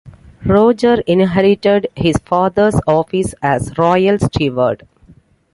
Roger inherited his father's office as royal steward.